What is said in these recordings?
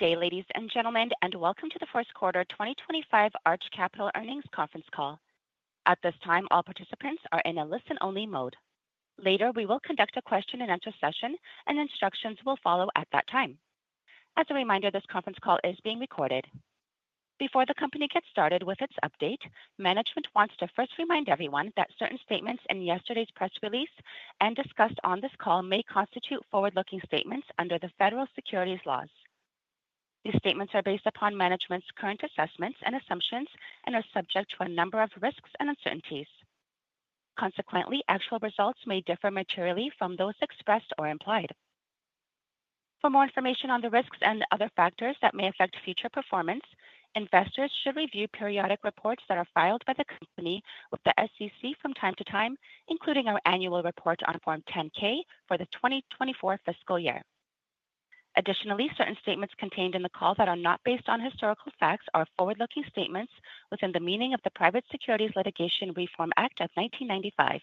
Okay, ladies and gentlemen, and welcome to the First Quarter 2025 Arch Capital Earnings Conference Call. At this time, all participants are in a listen-only mode. Later, we will conduct a question-and-answer session, and instructions will follow at that time. As a reminder, this conference call is being recorded. Before the company gets started with its update, management wants to first remind everyone that certain statements in yesterday's press release and discussed on this call may constitute forward-looking statements under the federal securities laws. These statements are based upon management's current assessments and assumptions and are subject to a number of risks and uncertainties. Consequently, actual results may differ materially from those expressed or implied. For more information on the risks and other factors that may affect future performance, investors should review periodic reports that are filed by the company with the SEC from time to time, including our annual report on Form 10-K for the 2024 fiscal year. Additionally, certain statements contained in the call that are not based on historical facts are forward-looking statements within the meaning of the Private Securities Litigation Reform Act of 1995.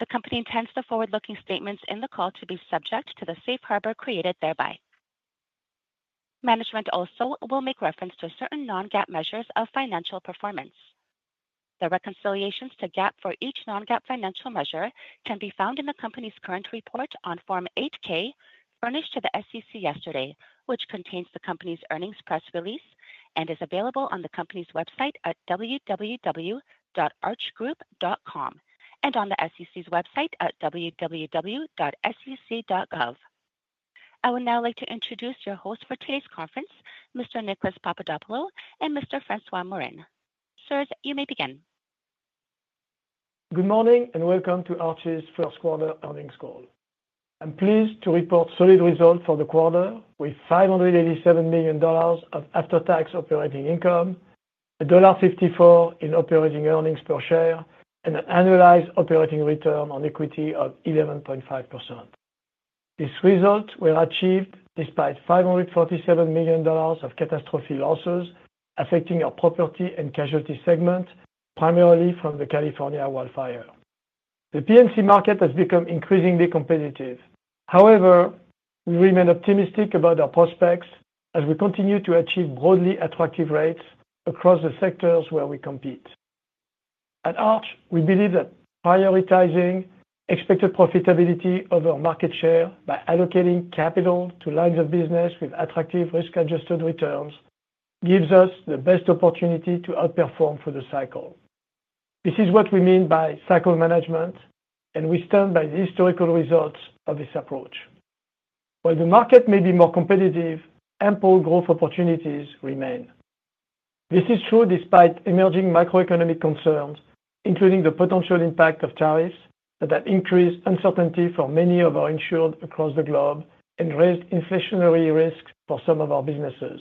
The company intends the forward-looking statements in the call to be subject to the safe harbor created thereby. Management also will make reference to certain non-GAAP measures of financial performance. The reconciliations to GAAP for each non-GAAP financial measure can be found in the company's current report on Form 8-K furnished to the SEC yesterday, which contains the company's earnings press release and is available on the company's website at www.archgroup.com and on the SEC's website at www.sec.gov. I would now like to introduce your hosts for today's conference, Mr. Nicolas Papadopoulo and Mr. François Morin. Sir, you may begin. Good morning and welcome to Arch's first quarter earnings call. I'm pleased to report solid results for the quarter with $587 million of after-tax operating income, $1.54 in operating earnings per share, and an annualized operating return on equity of 11.5%. These results were achieved despite $547 million of catastrophic losses affecting our property and casualty segment, primarily from the California wildfire. The P&C market has become increasingly competitive. However, we remain optimistic about our prospects as we continue to achieve broadly attractive rates across the sectors where we compete. At Arch, we believe that prioritizing expected profitability over market share by allocating capital to lines of business with attractive risk-adjusted returns gives us the best opportunity to outperform for the cycle. This is what we mean by cycle management, and we stand by the historical results of this approach. While the market may be more competitive, ample growth opportunities remain. This is true despite emerging macroeconomic concerns, including the potential impact of tariffs that have increased uncertainty for many of our insured across the globe and raised inflationary risks for some of our businesses.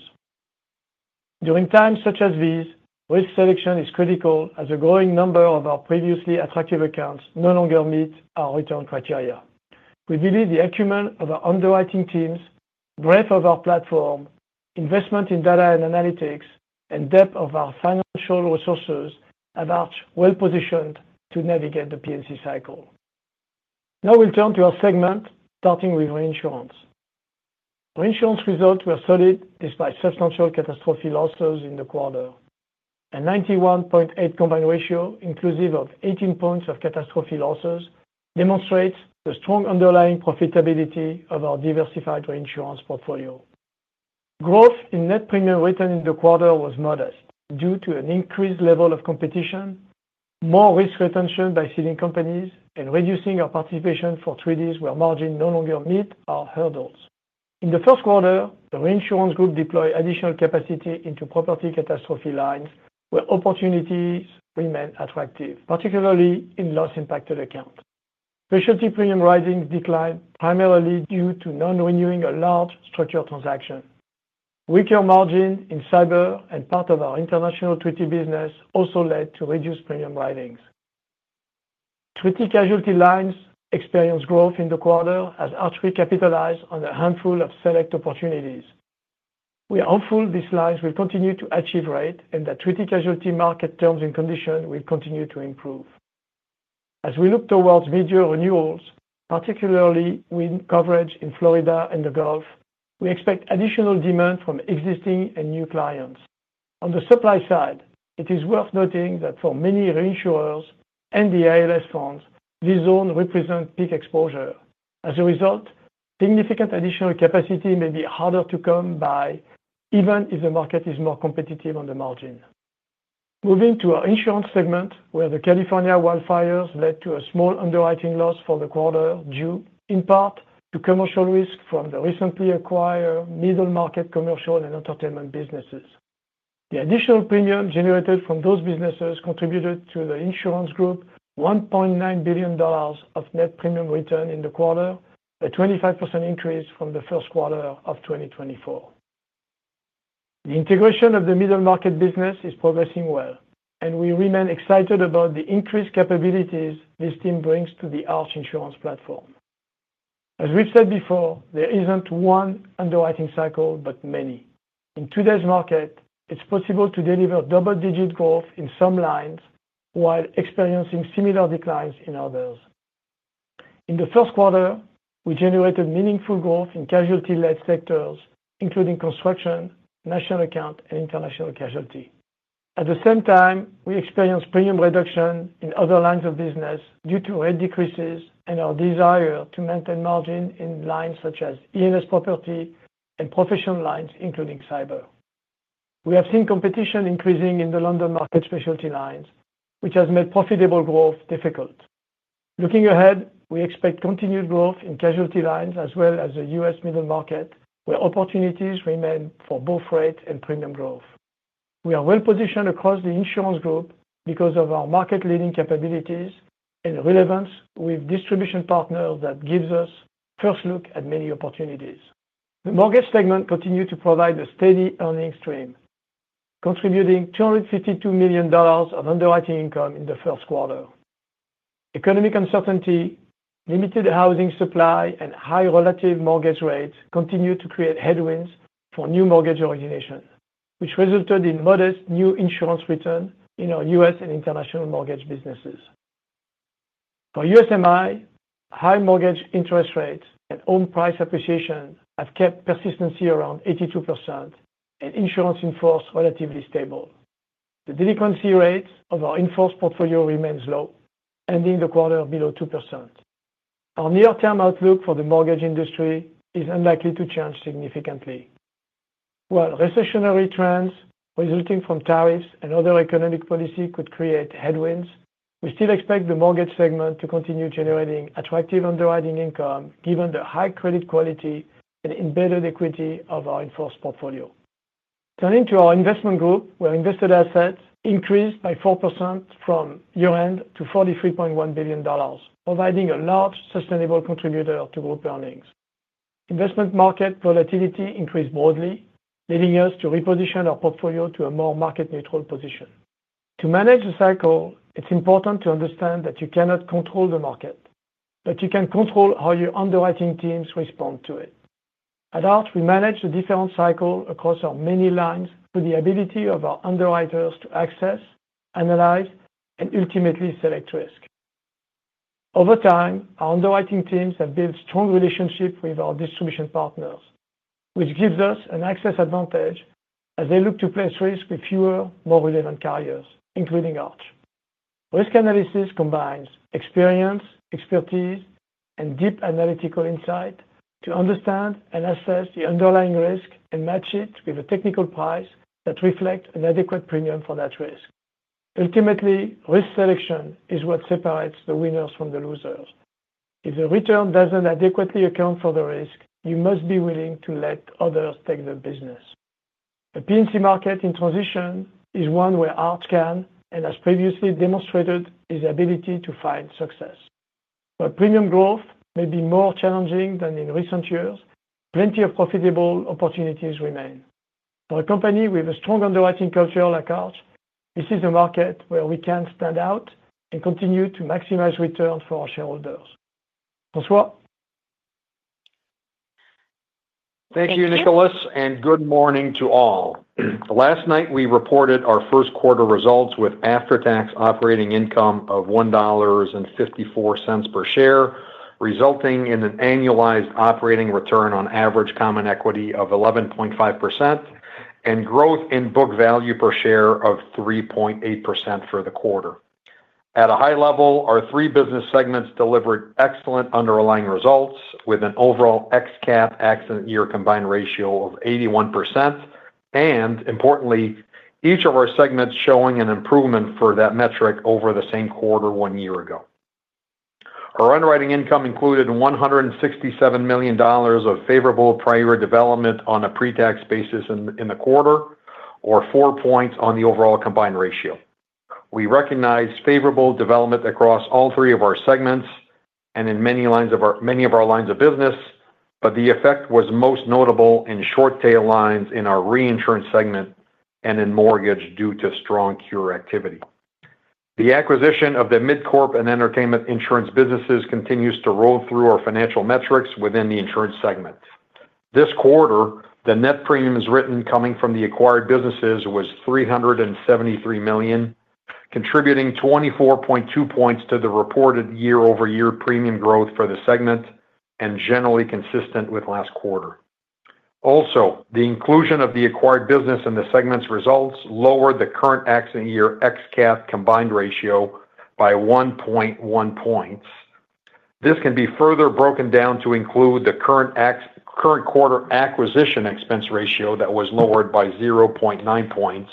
During times such as these, risk selection is critical as a growing number of our previously attractive accounts no longer meet our return criteria. We believe the acumen of our underwriting teams, breadth of our platform, investment in data and analytics, and depth of our financial resources have Arch well-positioned to navigate the P&C cycle. Now we'll turn to our segment, starting with reinsurance. Reinsurance results were solid despite substantial catastrophic losses in the quarter. A 91.8% combined ratio, inclusive of 18 percentage points of catastrophic losses, demonstrates the strong underlying profitability of our diversified reinsurance portfolio. Growth in net premiums written in the quarter was modest due to an increased level of competition, more risk retention by ceding companies, and reducing our participation for treaties where margin no longer meet our hurdles. In the first quarter, the reinsurance group deployed additional capacity into property catastrophe lines where opportunities remain attractive, particularly in loss-impacted accounts. Casualty premium writings declined primarily due to non-renewing a large structured transaction. Weaker margin in cyber and part of our international treaty business also led to reduced premium writings. Treaty casualty lines experienced growth in the quarter as Arch Re capitalized on a handful of select opportunities. We are hopeful these lines will continue to achieve rate and that treaty casualty market terms and conditions will continue to improve. As we look towards mid-year renewals, particularly with coverage in Florida and the Gulf, we expect additional demand from existing and new clients. On the supply side, it is worth noting that for many reinsurers and the ILS funds, these zones represent peak exposure. As a result, significant additional capacity may be harder to come by even if the market is more competitive on the margin. Moving to our Insurance segment, where the California wildfires led to a small underwriting loss for the quarter due in part to commercial risk from the recently acquired middle market commercial and entertainment businesses. The additional premium generated from those businesses contributed to the insurance group $1.9 billion of net premiums written in the quarter, a 25% increase from the first quarter of 2024. The integration of the middle market business is progressing well, and we remain excited about the increased capabilities this team brings to the Arch insurance platform. As we've said before, there isn't one underwriting cycle, but many. In today's market, it's possible to deliver double-digit growth in some lines while experiencing similar declines in others. In the first quarter, we generated meaningful growth in casualty-led sectors, including construction, National Accounts, and international casualty. At the same time, we experienced premium reduction in other lines of business due to rate decreases and our desire to maintain margin in lines such as E&S property and professional lines, including cyber. We have seen competition increasing in the London market specialty lines, which has made profitable growth difficult. Looking ahead, we expect continued growth in casualty lines as well as the U.S. middle market, where opportunities remain for both rate and premium growth. We are well-positioned across the insurance group because of our market-leading capabilities and relevance with distribution partners that gives us first look at many opportunities. The Mortgage segment continued to provide a steady earnings stream, contributing $252 million of underwriting income in the first quarter. Economic uncertainty, limited housing supply, and high relative mortgage rates continued to create headwinds for new mortgage origination, which resulted in modest new insurance return in our U.S and international mortgage businesses. For USMI, high mortgage interest rates and home price appreciation have kept persistency around 82%, and insurance in force relatively stable. The delinquency rate of our in force portfolio remains low, ending the quarter below 2%. Our near-term outlook for the mortgage industry is unlikely to change significantly. While recessionary trends resulting from tariffs and other economic policy could create headwinds, we still expect the Mortgage segment to continue generating attractive underwriting income given the high credit quality and embedded equity of our in force portfolio. Turning to our investment group, where invested assets increased by 4% from year-end to $43.1 billion, providing a large, sustainable contributor to group earnings. Investment market volatility increased broadly, leading us to reposition our portfolio to a more market-neutral position. To manage the cycle, it's important to understand that you cannot control the market, but you can control how your underwriting teams respond to it. At Arch, we manage the different cycles across our many lines through the ability of our underwriters to access, analyze, and ultimately select risk. Over time, our underwriting teams have built strong relationships with our distribution partners, which gives us an access advantage as they look to place risk with fewer, more relevant carriers, including Arch. Risk analysis combines experience, expertise, and deep analytical insight to understand and assess the underlying risk and match it with a technical price that reflects an adequate premium for that risk. Ultimately, risk selection is what separates the winners from the losers. If the return does not adequately account for the risk, you must be willing to let others take the business. The P&C market in transition is one where Arch can, and as previously demonstrated, its ability to find success. While premium growth may be more challenging than in recent years, plenty of profitable opportunities remain. For a company with a strong underwriting culture like Arch, this is a market where we can stand out and continue to maximize returns for our shareholders. François. Thank you, Nicolas, and good morning to all. Last night, we reported our first quarter results with after-tax operating income of $1.54 per share, resulting in an annualized operating return on average common equity of 11.5% and growth in book value per share of 3.8% for the quarter. At a high level, our three business segments delivered excellent underlying results with an overall ex-cat/accident year combined ratio of 81%, and importantly, each of our segments showing an improvement for that metric over the same quarter one year ago. Our underwriting income included $167 million of favorable prior development on a pre-tax basis in the quarter, or four points on the overall combined ratio. We recognized favorable development across all three of our segments and in many of our lines of business, but the effect was most notable in short-tail lines in our Reinsurance segment and in mortgage due to strong cure activity. The acquisition of the MidCorp and entertainment insurance businesses continues to roll through our financial metrics within the insurance segment. This quarter, the net premiums written coming from the acquired businesses was $373 million, contributing 24.2 points to the reported year-over-year premium growth for the segment and generally consistent with last quarter. Also, the inclusion of the acquired business in the segment's results lowered the current accident year ex-cat combined ratio by 1.1 points. This can be further broken down to include the current quarter acquisition expense ratio that was lowered by 0.9 percentage points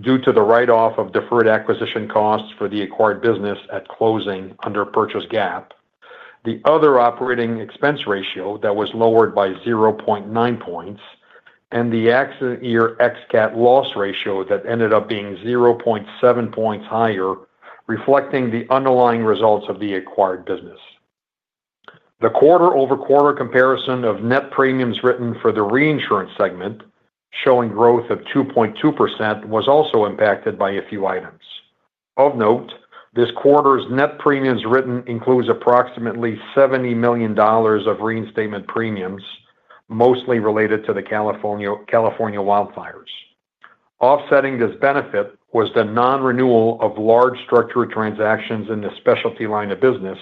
due to the write-off of deferred acquisition costs for the acquired business at closing under purchase GAAP, the other operating expense ratio that was lowered by 0.9 percentage points, and the accident year ex-cat loss ratio that ended up being 0.7 percentage points higher, reflecting the underlying results of the acquired business. The quarter-over-quarter comparison of net premiums written for the Reinsurance segment, showing growth of 2.2%, was also impacted by a few items. Of note, this quarter's net premiums written includes approximately $70 million of reinstatement premiums, mostly related to the California wildfires. Offsetting this benefit was the non-renewal of large structured transactions in the specialty line of business,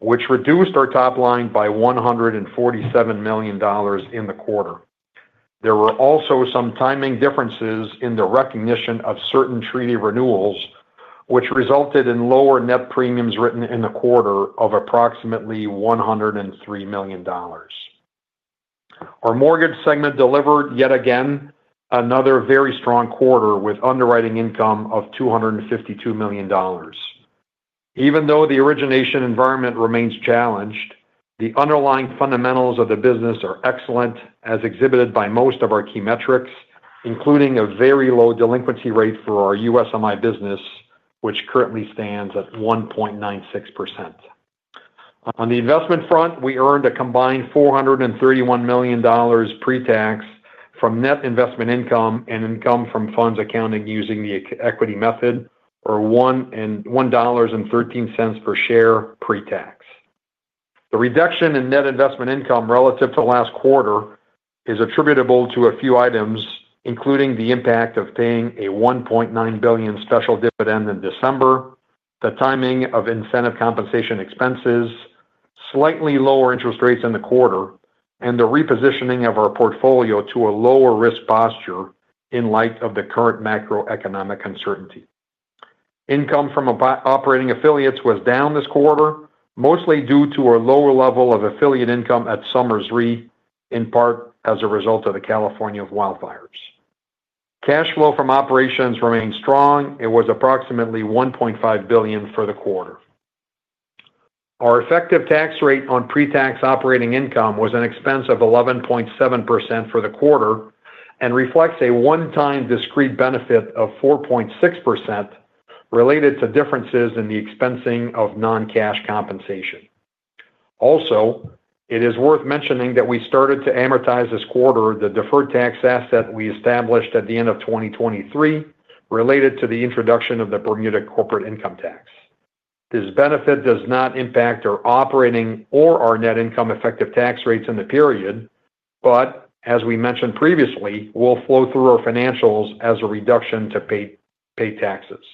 which reduced our top line by $147 million in the quarter. There were also some timing differences in the recognition of certain treaty renewals, which resulted in lower net premiums written in the quarter of approximately $103 million. Our mortgage segment delivered yet again another very strong quarter with underwriting income of $252 million. Even though the origination environment remains challenged, the underlying fundamentals of the business are excellent, as exhibited by most of our key metrics, including a very low delinquency rate for our USMI business, which currently stands at 1.96%. On the investment front, we earned a combined $431 million pre-tax from net investment income and income from funds accounting using the equity method, or $1.13 per share pre-tax. The reduction in net investment income relative to last quarter is attributable to a few items, including the impact of paying a $1.9 billion special dividend in December, the timing of incentive compensation expenses, slightly lower interest rates in the quarter, and the repositioning of our portfolio to a lower risk posture in light of the current macroeconomic uncertainty. Income from operating affiliates was down this quarter, mostly due to a lower level of affiliate income at Somers Ltd., in part as a result of the California wildfires. Cash flow from operations remained strong. It was approximately $1.5 billion for the quarter. Our effective tax rate on pre-tax operating income was an expense of 11.7% for the quarter and reflects a one-time discrete benefit of 4.6% related to differences in the expensing of non-cash compensation. Also, it is worth mentioning that we started to amortize this quarter the deferred tax asset we established at the end of 2023 related to the introduction of the Bermuda Corporate Income Tax. This benefit does not impact our operating or our net income effective tax rates in the period, but, as we mentioned previously, will flow through our financials as a reduction to pay taxes.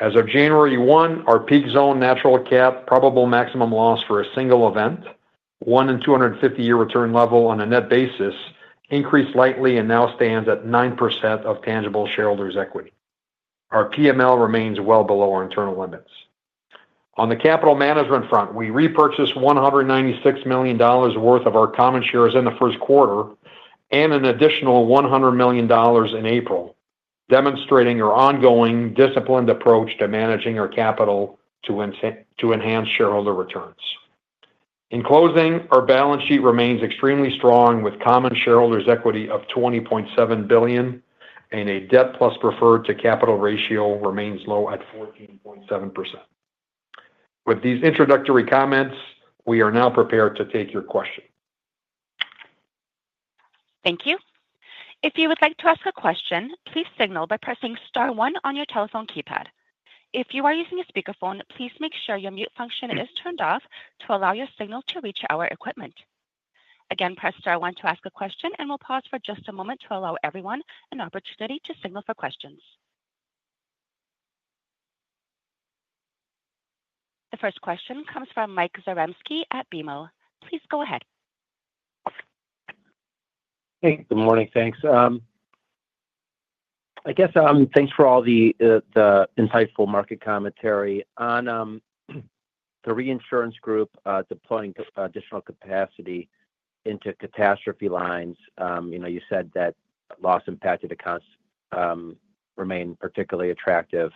As of January 1, our peak zone natural cat probable maximum loss for a single event, one in 250-year return level on a net basis, increased slightly and now stands at 9% of tangible shareholders' equity. Our PML remains well below our internal limits. On the capital management front, we repurchased $196 million worth of our common shares in the first quarter and an additional $100 million in April, demonstrating our ongoing disciplined approach to managing our capital to enhance shareholder returns. In closing, our balance sheet remains extremely strong with common shareholders' equity of $20.7 billion and a debt plus preferred to capital ratio remains low at 14.7%. With these introductory comments, we are now prepared to take your question. Thank you. If you would like to ask a question, please signal by pressing star one on your telephone keypad. If you are using a speakerphone, please make sure your mute function is turned off to allow your signal to reach our equipment. Again, press star one to ask a question, and we'll pause for just a moment to allow everyone an opportunity to signal for questions. The first question comes from Mike Zaremski at BMO. Please go ahead. Hey, good morning. Thanks. I guess thanks for all the insightful market commentary. On the reinsurance group deploying additional capacity into catastrophe lines, you said that loss-impacted accounts remain particularly attractive.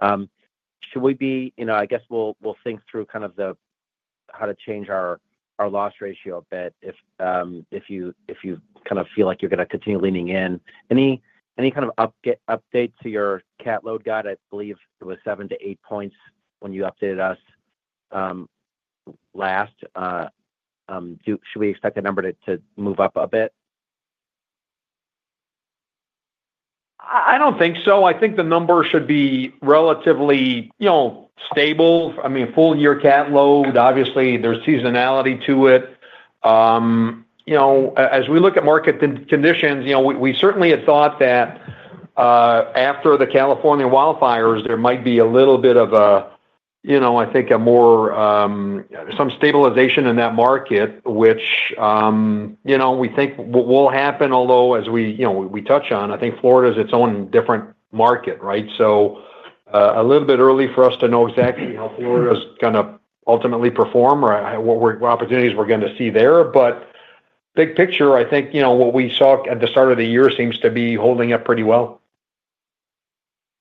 Should we be—I guess we'll think through kind of how to change our loss ratio a bit if you kind of feel like you're going to continue leaning in. Any kind of update to your cat load guide? I believe it was 7-8 points when you updated us last. Should we expect the number to move up a bit? I don't think so. I think the number should be relatively stable. I mean, full-year cat load, obviously, there's seasonality to it. As we look at market conditions, we certainly had thought that after the California wildfires, there might be a little bit of a, I think, a more—some stabilization in that market, which we think will happen, although as we touch on, I think Florida is its own different market, right? A little bit early for us to know exactly how Florida is going to ultimately perform or what opportunities we're going to see there. Big picture, I think what we saw at the start of the year seems to be holding up pretty well.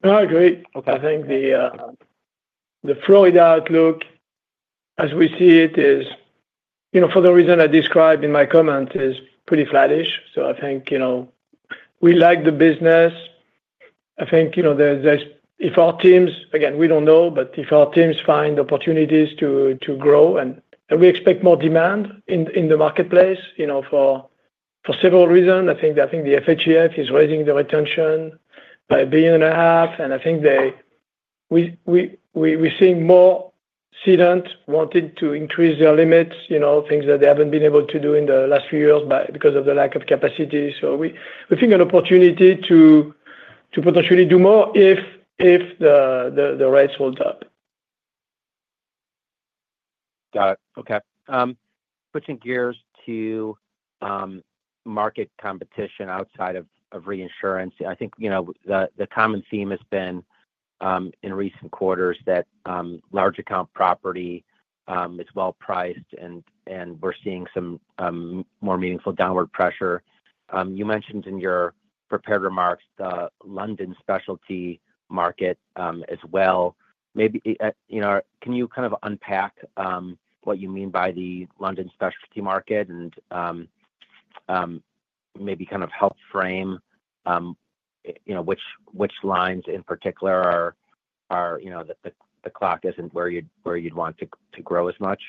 All right. Great. I think the Florida outlook, as we see it, is for the reason I described in my comments, is pretty flattish. I think we like the business. I think if our teams—again, we do not know—but if our teams find opportunities to grow, and we expect more demand in the marketplace for several reasons. I think the FHCF is raising the retention by $1.5 billion, and I think we are seeing more cedents wanting to increase their limits, things that they have not been able to do in the last few years because of the lack of capacity. We think an opportunity to potentially do more if the rates hold up. Got it. Okay. Switching gears to market competition outside of reinsurance, I think the common theme has been in recent quarters that large account property is well priced, and we're seeing some more meaningful downward pressure. You mentioned in your prepared remarks the London specialty market as well. Maybe can you kind of unpack what you mean by the London specialty market and maybe kind of help frame which lines in particular are the clock isn't where you'd want to grow as much?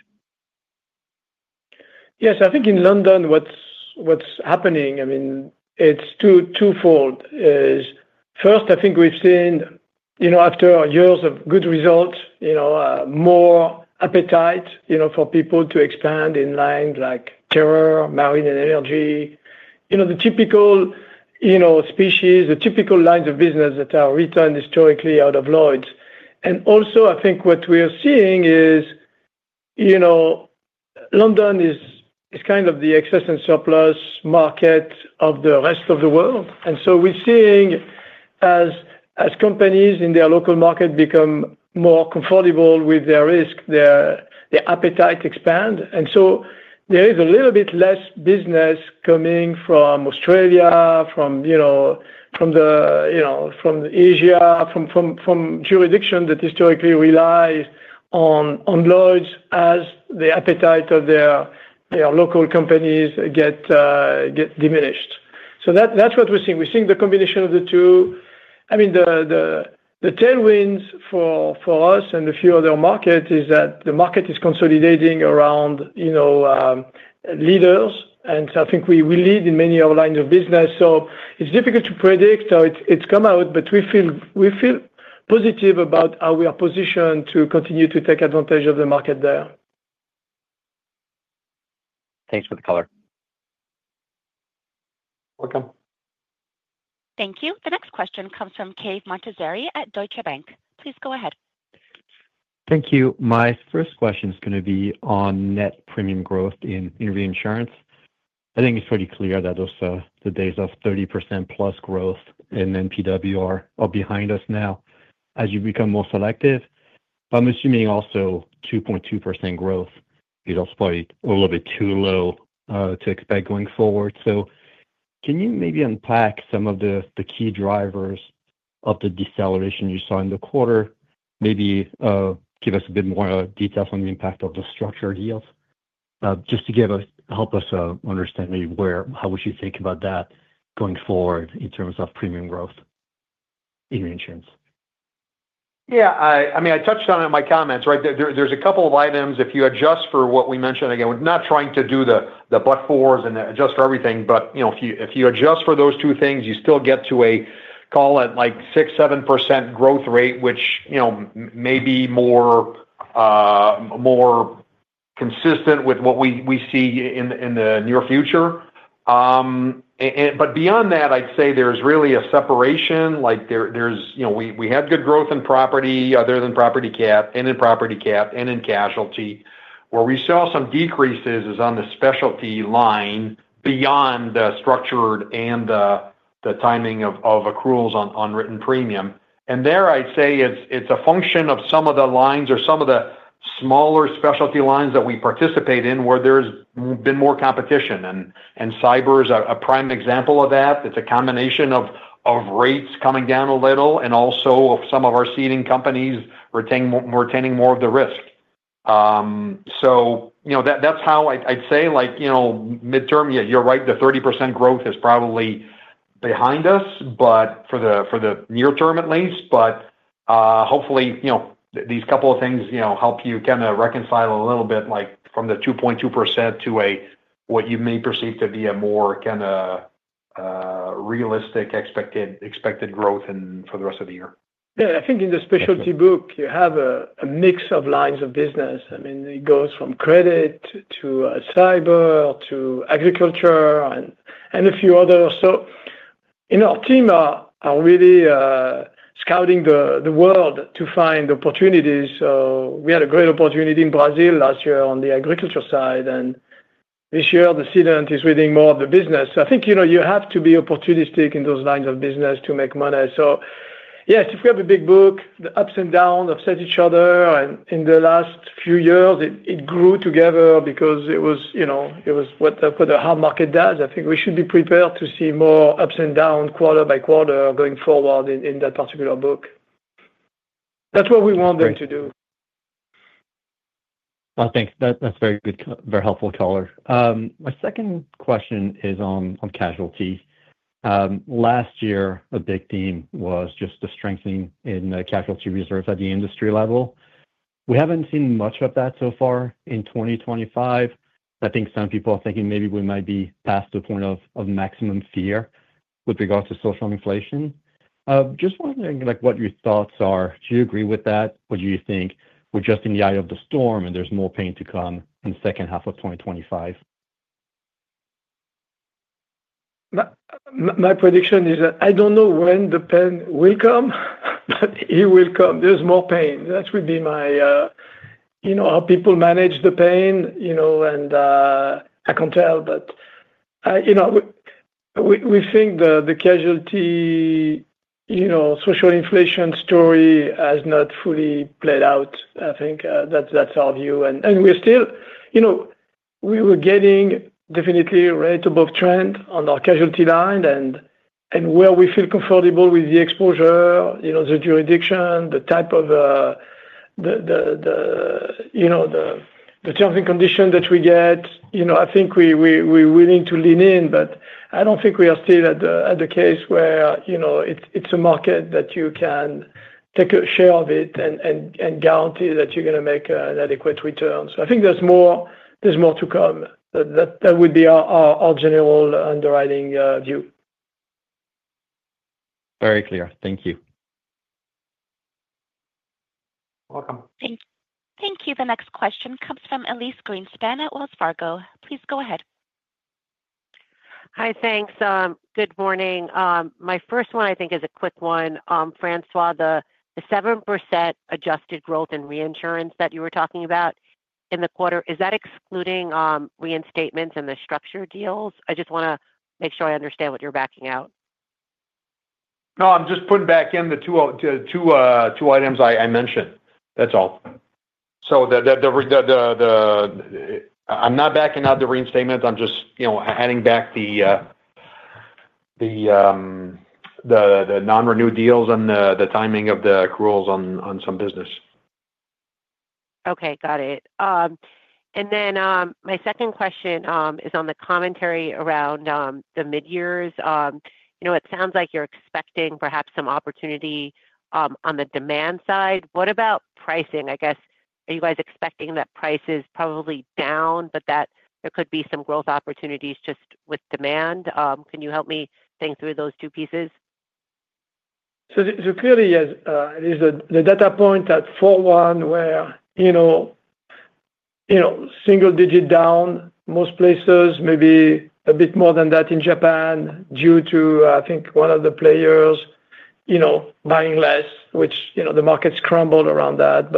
Yes. I think in London, what's happening, I mean, it's twofold. First, I think we've seen after years of good results, more appetite for people to expand in lines like terror, marine, and energy. The typical Specie, the typical lines of business that are written historically out of Lloyd's. I think what we're seeing is London is kind of the excess and surplus market of the rest of the world. We're seeing as companies in their local market become more comfortable with their risk, their appetite expands. There is a little bit less business coming from Australia, from Asia, from jurisdictions that historically rely on Lloyd's as the appetite of their local companies gets diminished. That's what we're seeing. We're seeing the combination of the two. I mean, the tailwinds for us and a few other markets is that the market is consolidating around leaders, and I think we lead in many other lines of business. It is difficult to predict how it is come out, but we feel positive about how we are positioned to continue to take advantage of the market there. Thanks for the color. Welcome. Thank you. The next question comes from Cave Montazeri at Deutsche Bank. Please go ahead. Thank you. My first question is going to be on net premium growth in reinsurance. I think it's pretty clear that those are the days of 30% plus growth in NPW are behind us now as you become more selective. I'm assuming also 2.2% growth is probably a little bit too low to expect going forward. Can you maybe unpack some of the key drivers of the deceleration you saw in the quarter? Maybe give us a bit more details on the impact of the structured deals just to help us understand maybe how would you think about that going forward in terms of premium growth in reinsurance? Yeah. I mean, I touched on it in my comments, right? There's a couple of items. If you adjust for what we mentioned, again, we're not trying to do the but-fors and adjust for everything, but if you adjust for those two things, you still get to a, call it, 6-7% growth rate, which may be more consistent with what we see in the near future. Beyond that, I'd say there's really a separation. We had good growth in property other than property cat and in property cat and in casualty. Where we saw some decreases is on the specialty line beyond the structured and the timing of accruals on written premium. There, I'd say it's a function of some of the lines or some of the smaller specialty lines that we participate in where there's been more competition. Cyber is a prime example of that. It is a combination of rates coming down a little and also of some of our ceding companies retaining more of the risk. That is how I would say midterm, you are right, the 30% growth is probably behind us, for the near term at least. Hopefully, these couple of things help you kind of reconcile a little bit from the 2.2% to what you may perceive to be a more kind of realistic expected growth for the rest of the year. Yeah. I think in the specialty book, you have a mix of lines of business. I mean, it goes from credit to cyber to agriculture and a few others. Our team are really scouting the world to find opportunities. We had a great opportunity in Brazil last year on the agriculture side, and this year the cedent is retaining more of the business. I think you have to be opportunistic in those lines of business to make money. Yes, if we have a big book, the ups and downs offset each other. In the last few years, it grew together because it was what the hard market does. I think we should be prepared to see more ups and downs quarter by quarter going forward in that particular book. That is what we want them to do. I think that's very good, very helpful color. My second question is on casualty. Last year, a big theme was just the strengthening in the casualty reserves at the industry level. We haven't seen much of that so far in 2025. I think some people are thinking maybe we might be past the point of maximum fear with regards to social inflation. Just wondering what your thoughts are. Do you agree with that? What do you think? We're just in the eye of the storm, and there's more pain to come in the second half of 2025. My prediction is that I don't know when the pain will come, but it will come. There's more pain. That would be my how people manage the pain, and I can't tell, but we think the casualty social inflation story has not fully played out. I think that's our view. We're still definitely right above trend on our casualty line and where we feel comfortable with the exposure, the jurisdiction, the type of the terms and conditions that we get. I think we're willing to lean in, but I don't think we are still at the case where it's a market that you can take a share of it and guarantee that you're going to make an adequate return. I think there's more to come. That would be our general underwriting view. Very clear. Thank you. Welcome. Thank you. The next question comes from Elyse Greenspan at Wells Fargo. Please go ahead. Hi, thanks. Good morning. My first one, I think, is a quick one. François, the 7% adjusted growth in reinsurance that you were talking about in the quarter, is that excluding reinstatements and the structure deals? I just want to make sure I understand what you're backing out. No, I'm just putting back in the two items I mentioned. That's all. I'm not backing out the reinstatements. I'm just adding back the non-renew deals and the timing of the accruals on some business. Okay. Got it. My second question is on the commentary around the mid-years. It sounds like you're expecting perhaps some opportunity on the demand side. What about pricing? I guess are you guys expecting that price is probably down, but that there could be some growth opportunities just with demand? Can you help me think through those two pieces? Clearly, there's the data point at 4.1 where single-digit down most places, maybe a bit more than that in Japan due to, I think, one of the players buying less, which the markets crumbled around that.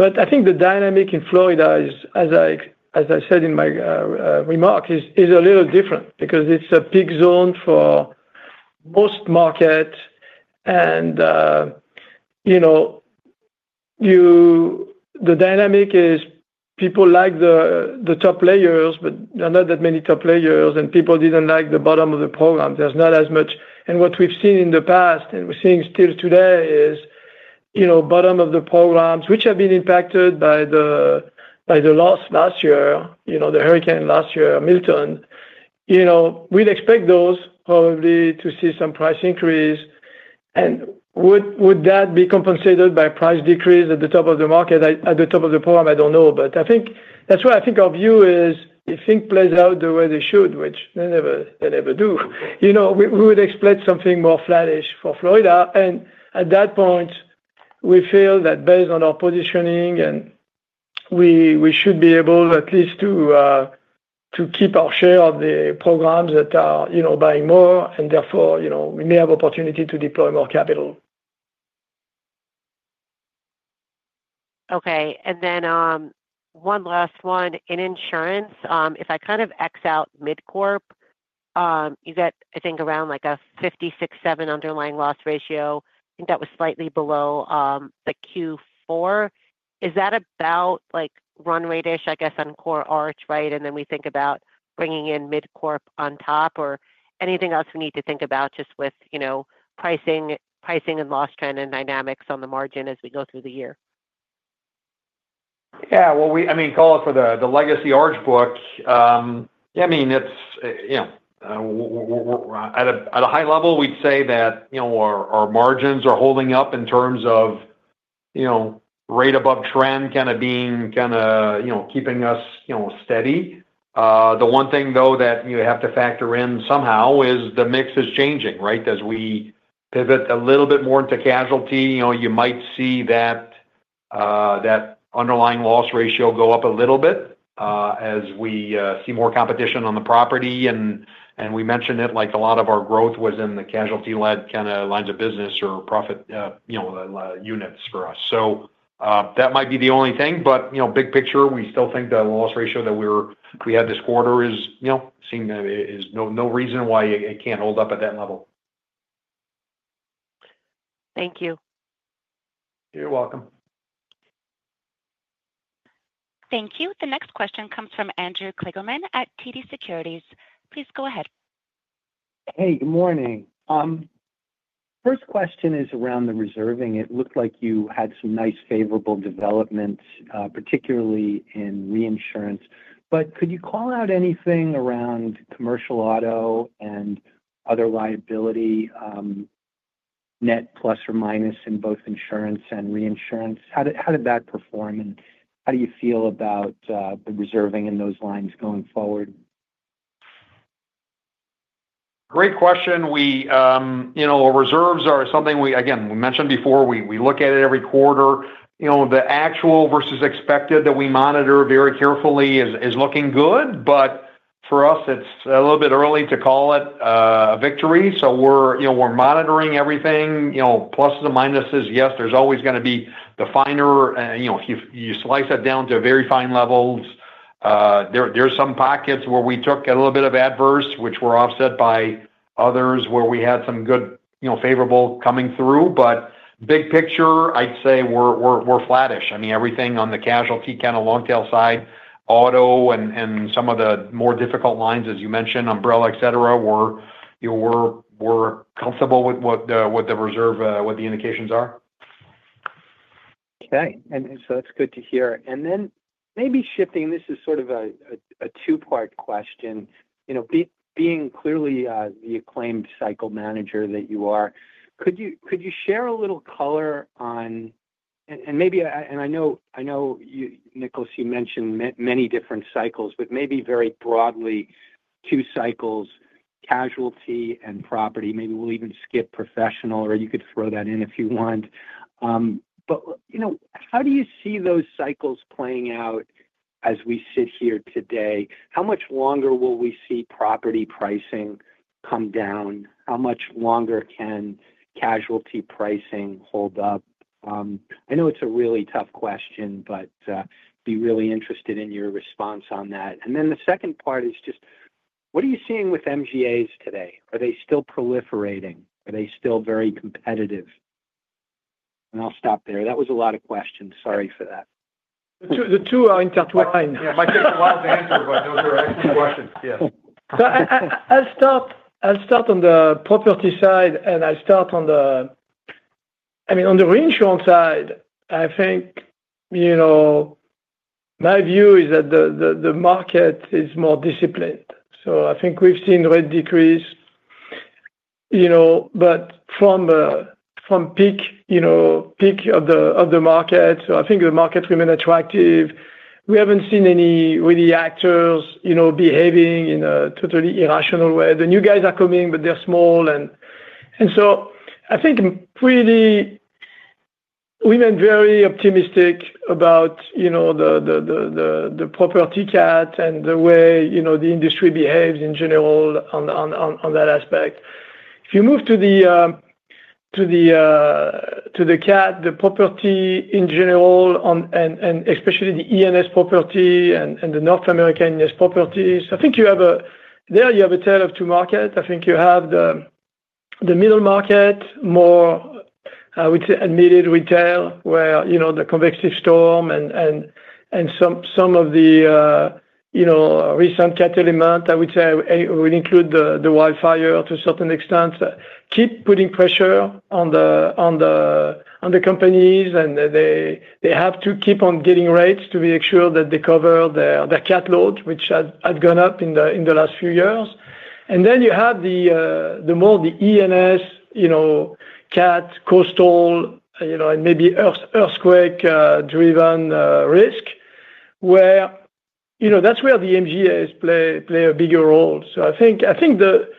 I think the dynamic in Florida, as I said in my remark, is a little different because it's a peak zone for most markets. The dynamic is people like the top players, but there are not that many top players, and people didn't like the bottom of the program. There's not as much. What we've seen in the past, and we're seeing still today, is bottom of the programs, which have been impacted by the loss last year, the hurricane last year, Milton. We'd expect those probably to see some price increase. Would that be compensated by price decrease at the top of the market, at the top of the program? I do not know. That is why I think our view is if things play out the way they should, which they never do, we would expect something more flattish for Florida. At that point, we feel that based on our positioning, we should be able at least to keep our share of the programs that are buying more, and therefore, we may have opportunity to deploy more capital. Okay. And then one last one. In insurance, if I kind of X out MidCorp, you get, I think, around a 56-7 underlying loss ratio. I think that was slightly below the Q4. Is that about runway-ish, I guess, on core Arch, right? And then we think about bringing in MidCorp on top or anything else we need to think about just with pricing and loss trend and dynamics on the margin as we go through the year? Yeah. I mean, call it for the legacy Arch book. I mean, at a high level, we'd say that our margins are holding up in terms of rate above trend kind of being kind of keeping us steady. The one thing, though, that you have to factor in somehow is the mix is changing, right? As we pivot a little bit more into casualty, you might see that underlying loss ratio go up a little bit as we see more competition on the property. We mentioned it like a lot of our growth was in the casualty-led kind of lines of business or profit units for us. That might be the only thing. Big picture, we still think the loss ratio that we had this quarter seems to have no reason why it can't hold up at that level. Thank you. You're welcome. Thank you. The next question comes from Andrew Kligerman at TD Securities. Please go ahead. Hey, good morning. First question is around the reserving. It looked like you had some nice favorable development, particularly in reinsurance. Could you call out anything around commercial auto and other liability net plus or minus in both insurance and reinsurance? How did that perform? How do you feel about the reserving in those lines going forward? Great question. Reserves are something, again, we mentioned before. We look at it every quarter. The actual versus expected that we monitor very carefully is looking good. For us, it's a little bit early to call it a victory. We are monitoring everything. Plus and minuses, yes, there's always going to be the finer if you slice that down to very fine levels. There are some pockets where we took a little bit of adverse, which were offset by others where we had some good favorable coming through. Big picture, I'd say we're flattish. I mean, everything on the casualty kind of long-tail side, auto, and some of the more difficult lines, as you mentioned, umbrella, etc., we're comfortable with what the reserve, what the indications are. Okay. That is good to hear. Maybe shifting, this is sort of a two-part question. Being clearly the acclaimed cycle manager that you are, could you share a little color on, and I know, Nicolas, you mentioned many different cycles, but maybe very broadly, two cycles, casualty and property. Maybe we will even skip professional, or you could throw that in if you want. How do you see those cycles playing out as we sit here today? How much longer will we see property pricing come down? How much longer can casualty pricing hold up? I know it is a really tough question, but I would be really interested in your response on that. The second part is just, what are you seeing with MGAs today? Are they still proliferating? Are they still very competitive? I will stop there. That was a lot of questions. Sorry for that. The two are intertwined. Yeah. It might take a while to answer, but those are excellent questions. Yes. I'll start on the property side, and I'll start on the, I mean, on the reinsurance side. I think my view is that the market is more disciplined. I think we've seen rate decrease, but from peak of the market. I think the market remained attractive. We haven't seen any really actors behaving in a totally irrational way. The new guys are coming, but they're small. I think really we've been very optimistic about the property cat and the way the industry behaves in general on that aspect. If you move to the cat, the property in general, and especially the E&S property and the North American E&S properties, I think you have a, there you have a tail of two markets. I think you have the middle market, more I would say admitted retail where the convective storm and some of the recent catalyst months, I would say, would include the wildfire to a certain extent. Keep putting pressure on the companies, and they have to keep on getting rates to make sure that they cover their cat load, which has gone up in the last few years. You have the more the E&S, cat, coastal, and maybe earthquake-driven risk, where that's where the MGAs play a bigger role. I think the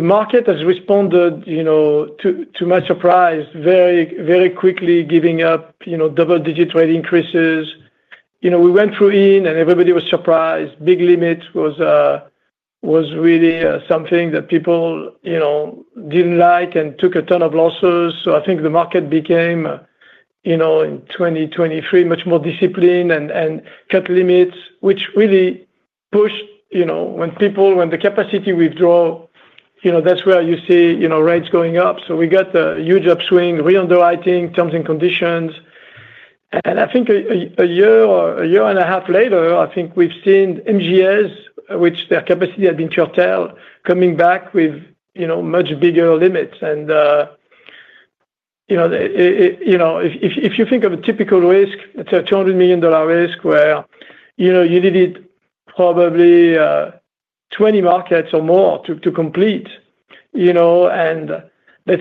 market has responded to my surprise very quickly, giving up double-digit rate increases. We went through Ian, and everybody was surprised. Big limit was really something that people didn't like and took a ton of losses. I think the market became in 2023 much more disciplined and cut limits, which really pushed when the capacity withdraw, that's where you see rates going up. We got a huge upswing, re-underwriting, terms and conditions. I think a year and a half later, we've seen MGAs, which their capacity had been curtailed, coming back with much bigger limits. If you think of a typical risk, let's say a $200 million risk where you needed probably 20 markets or more to complete. Let's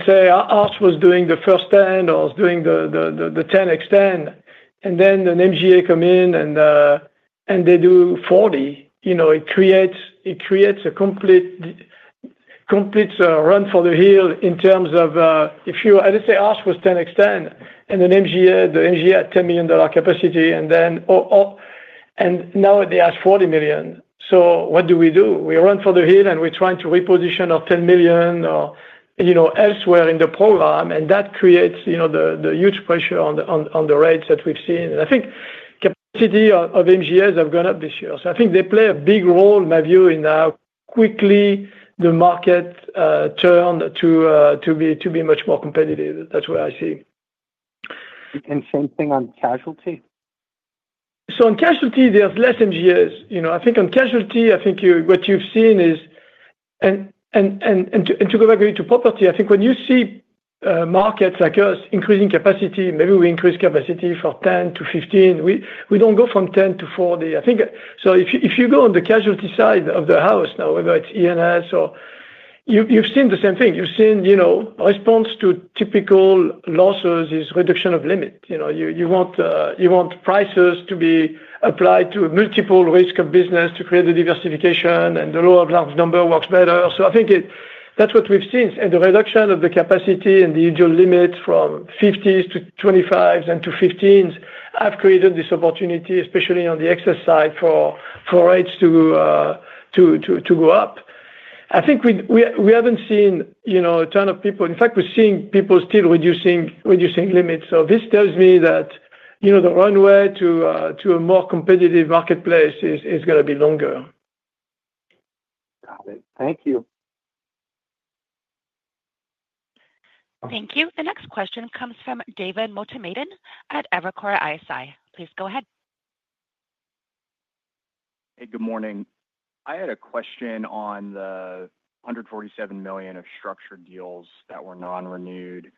say Arch was doing the first 10 or was doing the 10X10. Then an MGA comes in, and they do 40. It creates a complete run for the hill in terms of if you, let's say Arch was 10X10, and the MGA had $10 million capacity, and now they ask $40 million. What do we do? We run for the hill, and we're trying to reposition our $10 million elsewhere in the program. That creates the huge pressure on the rates that we've seen. I think capacity of MGAs have gone up this year. I think they play a big role, my view, in how quickly the market turned to be much more competitive. That's what I see. Same thing on casualty? On casualty, there's less MGAs. I think on casualty, I think what you've seen is, and to go back to property, I think when you see markets like us increasing capacity, maybe we increase capacity for 10 to 15. We don't go from 10 to 40. If you go on the casualty side of the house now, whether it's E&S or you've seen the same thing. You've seen response to typical losses is reduction of limit. You want prices to be applied to multiple risk of business to create the diversification, and the law of large number works better. I think that's what we've seen. The reduction of the capacity and the usual limits from 50s to 25s and to 15s have created this opportunity, especially on the excess side for rates to go up. I think we haven't seen a ton of people. In fact, we're seeing people still reducing limits. This tells me that the runway to a more competitive marketplace is going to be longer. Got it. Thank you. Thank you. The next question comes from David Motemaden at Evercore ISI. Please go ahead. Hey, good morning. I had a question on the $147 million of structured deals that were non-renewed.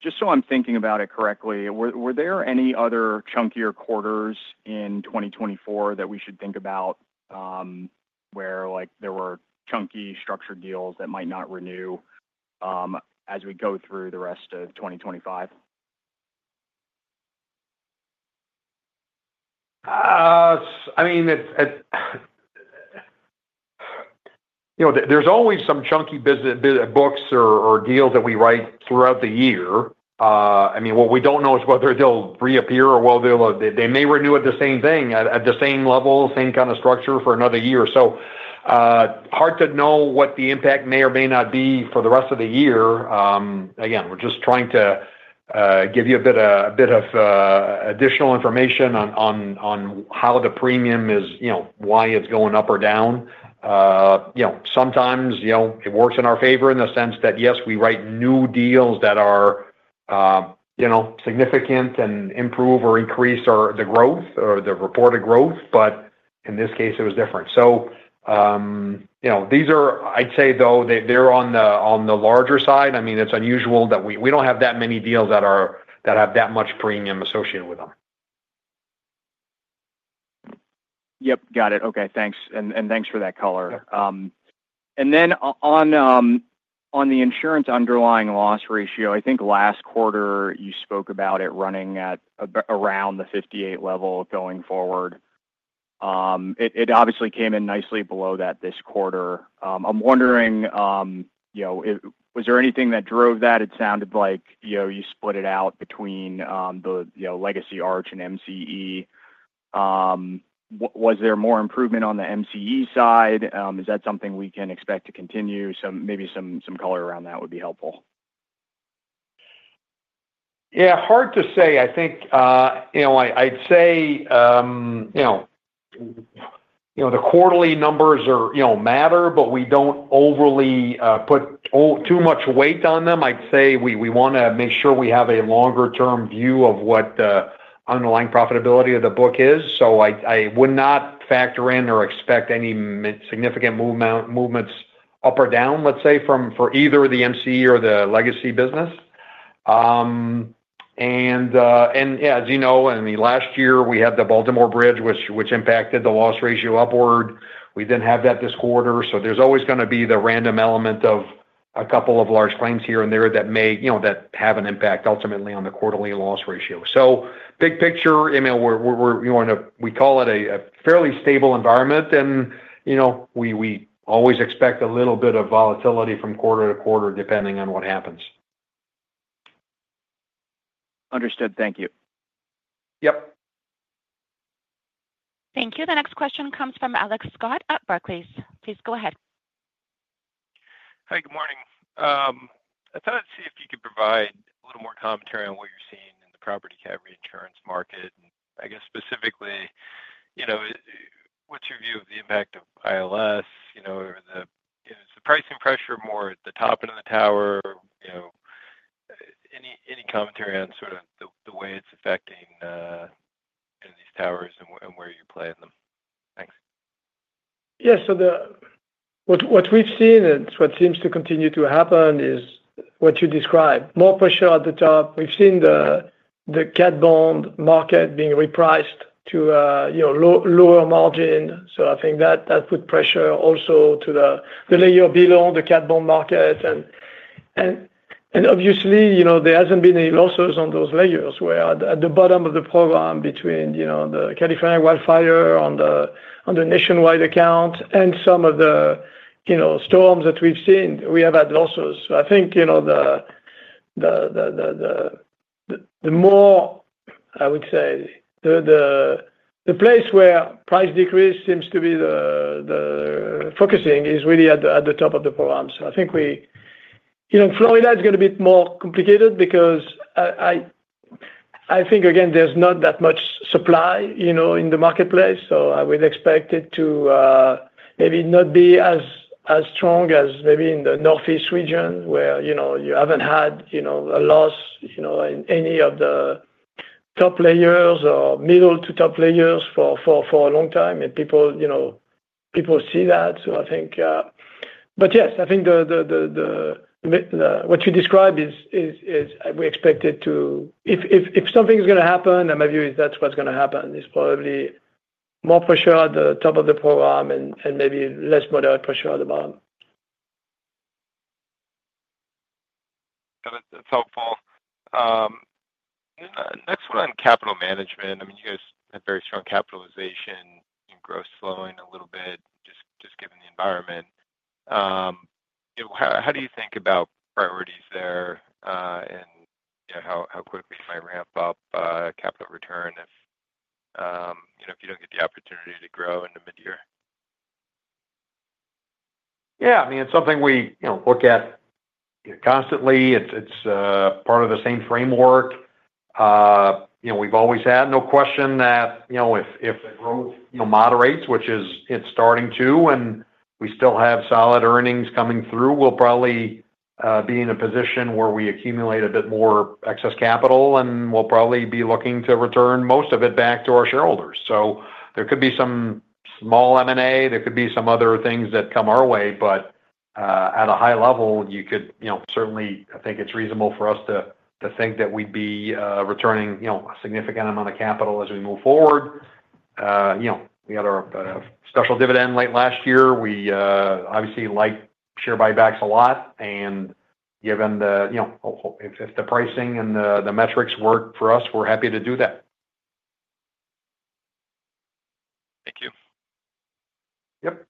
Just so I'm thinking about it correctly, were there any other chunkier quarters in 2024 that we should think about where there were chunky structured deals that might not renew as we go through the rest of 2025? I mean, there's always some chunky books or deals that we write throughout the year. I mean, what we don't know is whether they'll reappear or they may renew at the same thing, at the same level, same kind of structure for another year. Hard to know what the impact may or may not be for the rest of the year. Again, we're just trying to give you a bit of additional information on how the premium is, why it's going up or down. Sometimes it works in our favor in the sense that, yes, we write new deals that are significant and improve or increase the growth or the reported growth, but in this case, it was different. These are, I'd say, though, they're on the larger side. I mean, it's unusual that we don't have that many deals that have that much premium associated with them. Yep. Got it. Okay. Thanks. Thanks for that color. On the insurance underlying loss ratio, I think last quarter you spoke about it running at around the 58 level going forward. It obviously came in nicely below that this quarter. I'm wondering, was there anything that drove that? It sounded like you split it out between the legacy Arch and MCE. Was there more improvement on the MCE side? Is that something we can expect to continue? Maybe some color around that would be helpful. Yeah. Hard to say. I think I'd say the quarterly numbers matter, but we don't overly put too much weight on them. I'd say we want to make sure we have a longer-term view of what the underlying profitability of the book is. I would not factor in or expect any significant movements up or down, let's say, for either the MCE or the legacy business. Yeah, as you know, I mean, last year, we had the Baltimore Bridge, which impacted the loss ratio upward. We didn't have that this quarter. There's always going to be the random element of a couple of large claims here and there that have an impact ultimately on the quarterly loss ratio. Big picture, we call it a fairly stable environment, and we always expect a little bit of volatility from quarter to quarter depending on what happens. Understood. Thank you. Yep. Thank you. The next question comes from Alex Scott at Barclays. Please go ahead. Hey, good morning. I thought I'd see if you could provide a little more commentary on what you're seeing in the property cat reinsurance market. I guess specifically, what's your view of the impact of ILS? Is the pricing pressure more at the top end of the tower? Any commentary on sort of the way it's affecting these towers and where you play in them? Thanks. Yeah. What we've seen and what seems to continue to happen is what you described. More pressure at the top. We've seen the cat bond market being repriced to lower margin. I think that put pressure also to the layer below the cat bond market. Obviously, there hasn't been any losses on those layers where at the bottom of the program between the California wildfire on the nationwide account and some of the storms that we've seen, we have had losses. I think the more, I would say, the place where price decrease seems to be focusing is really at the top of the program. I think Florida is going to be more complicated because, again, there's not that much supply in the marketplace. I would expect it to maybe not be as strong as maybe in the northeast region where you haven't had a loss in any of the top layers or middle to top layers for a long time. People see that. I think, but yes, I think what you describe is we expect it to, if something's going to happen, my view is that's what's going to happen. It's probably more pressure at the top of the program and maybe less moderate pressure at the bottom. Got it. That's helpful. Next one on capital management. I mean, you guys have very strong capitalization and growth slowing a little bit, just given the environment. How do you think about priorities there and how quickly might ramp up capital return if you don't get the opportunity to grow in the midyear? Yeah. I mean, it's something we look at constantly. It's part of the same framework. We've always had no question that if the growth moderates, which it's starting to, and we still have solid earnings coming through, we'll probably be in a position where we accumulate a bit more excess capital, and we'll probably be looking to return most of it back to our shareholders. There could be some small M&A. There could be some other things that come our way. At a high level, you could certainly I think it's reasonable for us to think that we'd be returning a significant amount of capital as we move forward. We had our special dividend late last year. We obviously like share buybacks a lot. Given the if the pricing and the metrics work for us, we're happy to do that. Thank you. Yep.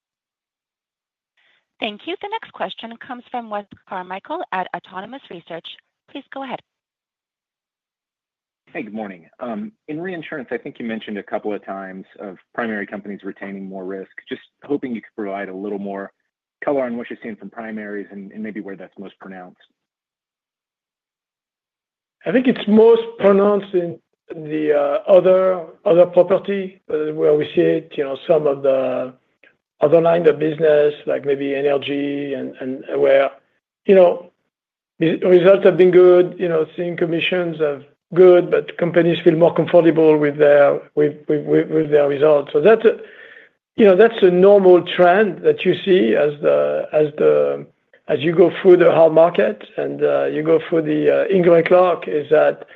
Thank you. The next question comes from Wes Carmichael at Autonomous Research. Please go ahead. Hey, good morning. In reinsurance, I think you mentioned a couple of times of primary companies retaining more risk. Just hoping you could provide a little more color on what you're seeing from primaries and maybe where that's most pronounced. I think it's most pronounced in the other property where we see some of the other line of business, like maybe energy and where results have been good. Same commissions are good, but companies feel more comfortable with their results. That's a normal trend that you see as you go through the hard market and you go through the ingrained clock is that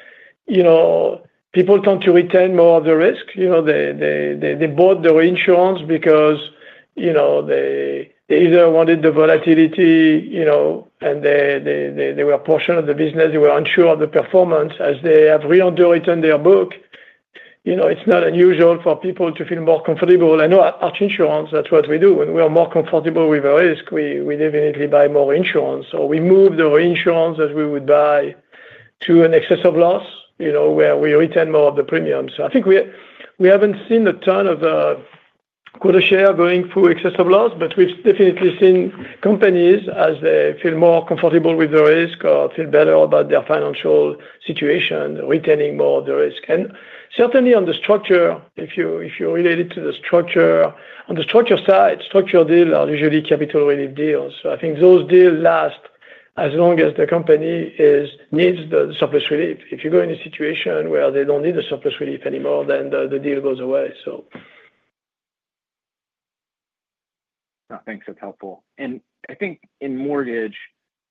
people tend to retain more of the risk. They bought the reinsurance because they either wanted the volatility and they were a portion of the business. They were unsure of the performance. As they have re-underwritten their book, it's not unusual for people to feel more comfortable. I know Arch Insurance, that's what we do. When we are more comfortable with the risk, we definitely buy more insurance. We move the reinsurance as we would buy to an excess of loss where we retain more of the premium. I think we have not seen a ton of quota share going through excess of loss, but we have definitely seen companies as they feel more comfortable with the risk or feel better about their financial situation, retaining more of the risk. Certainly, if you relate it to the structure, on the structure side, structure deals are usually capital relief deals. I think those deals last as long as the company needs the surplus relief. If you go in a situation where they do not need the surplus relief anymore, then the deal goes away. Thanks. That's helpful. I think in mortgage,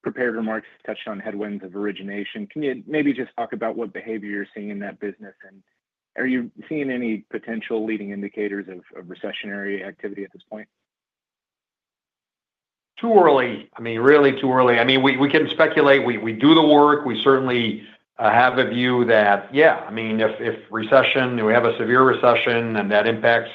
Prepared Remarks touched on headwinds of origination. Can you maybe just talk about what behavior you're seeing in that business? Are you seeing any potential leading indicators of recessionary activity at this point? Too early. I mean, really too early. I mean, we can speculate. We do the work. We certainly have a view that, yeah, I mean, if recession, we have a severe recession and that impacts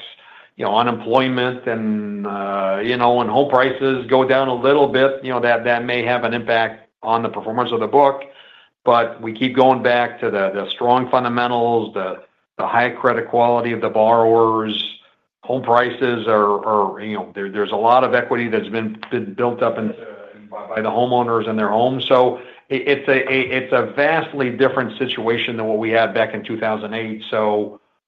unemployment and home prices go down a little bit, that may have an impact on the performance of the book. We keep going back to the strong fundamentals, the high credit quality of the borrowers, home prices, there is a lot of equity that has been built up by the homeowners in their homes. It is a vastly different situation than what we had back in 2008.